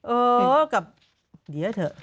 เออกลับเดี๋ยวเถอะ